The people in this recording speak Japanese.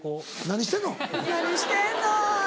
何してんの。